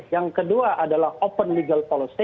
yang kedua adalah open legal policy